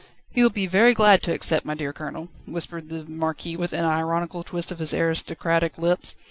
"He will be very glad to accept, my dear Colonel," whispered the Marquis with an ironical twist of his aristocratic lips.